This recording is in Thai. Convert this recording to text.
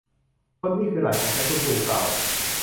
คนนี้คือหลานของฉัน คุณปู่กล่าว